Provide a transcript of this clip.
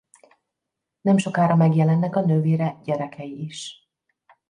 Nemsokára megjelennek a nővére gyerekei is.